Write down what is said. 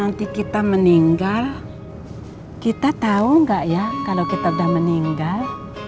nanti kita meninggal kita tahu nggak ya kalau kita sudah meninggal